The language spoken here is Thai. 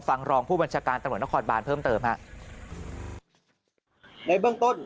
รองผู้บัญชาการตำรวจนครบานเพิ่มเติมฮะในเบื้องต้น